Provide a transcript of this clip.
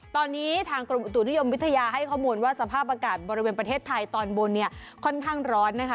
ตอนนี้ทางกรมอุตุนิยมวิทยาให้ข้อมูลว่าสภาพอากาศบริเวณประเทศไทยตอนบนเนี่ยค่อนข้างร้อนนะคะ